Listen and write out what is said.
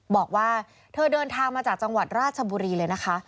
บอกว่าเธอเดินทางมาจากจังหวัดราชบุรีเลยนะคะ